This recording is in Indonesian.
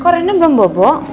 kok rana belum bobok